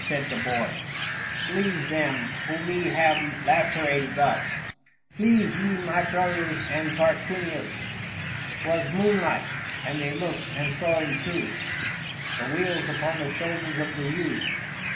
" said the boy ;" Please them, who me have lacerated thus ; Please ye my brothers and Tarquinius." 'Twas moonlight, and they looked and saw in truth 745 The weals upon the shoulders of the youth.